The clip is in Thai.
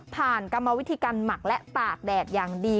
กรรมวิธีการหมักและตากแดดอย่างดี